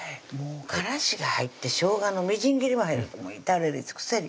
からしが入ってしょうがのみじん切りも入る至れり尽くせり